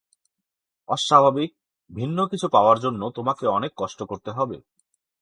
অস্বাভাবিক, ভিন্ন কিছু পাওয়ার জন্য তোমাকে অনেক কষ্ট করতে হবে।